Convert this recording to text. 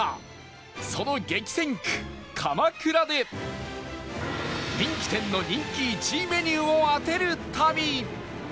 その激戦区鎌倉で人気店の人気１位メニューを当てる旅